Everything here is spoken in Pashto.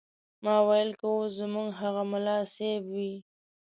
ما ویل که اوس زموږ هغه ملا صیب وي.